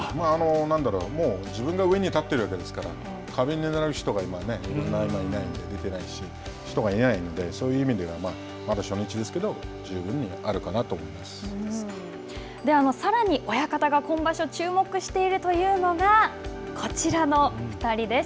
何だろう、自分が上に立ってるわけですから、壁になる人が、横綱が今、いないので、出てないし、人がいないので、そういう意味では、まだ初日ですけれども、十分さらに親方が今場所、注目しているというのが、こちらの２人です。